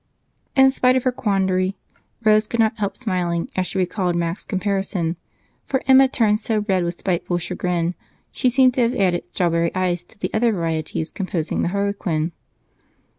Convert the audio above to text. In spite of her quandary, Rose could not help smiling as she recalled Mac's comparison, for Emma turned so red with spiteful chagrin, she seemed to have added strawberry ice to the other varieties composing the Harlequin.